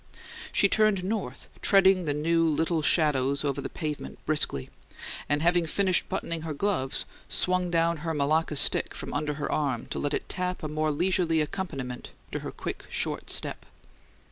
She turned north, treading the new little shadows on the pavement briskly, and, having finished buttoning her gloves, swung down her Malacca stick from under her arm to let it tap a more leisurely accompaniment to her quick, short step.